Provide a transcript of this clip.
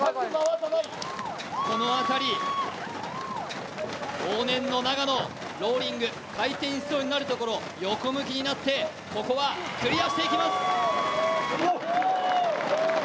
この辺り、往年の長野ローリング、回転しそうになるところ、横向きになって、ここはクリアしていきます。